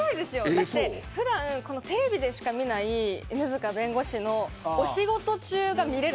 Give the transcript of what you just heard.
だって普段テレビでしか見ない犬塚弁護士のお仕事中が見れる。